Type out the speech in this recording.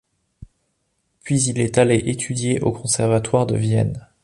Puis il est allé étudier au Conservatoire de Vienne.